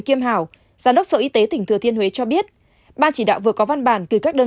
kim hảo giám đốc sở y tế tỉnh thừa thiên huế cho biết ban chỉ đạo vừa có văn bản gửi các đơn